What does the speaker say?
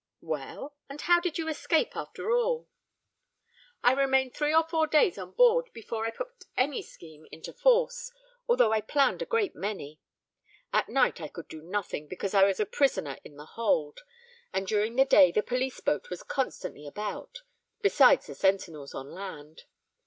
"Well—and how did you escape after all?" "I remained three or four days on board, before I put any scheme into force, although I planned a great many. At night I could do nothing, because I was a prisoner in the hold; and during the day the police boat was constantly about, besides the sentinels on land.